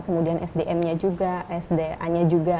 kemudian sdm nya juga sd ayah juga